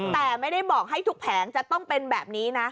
แต่ไม่ได้บอกให้ทุกแผงจะต้องเป็นแบบนี้นะ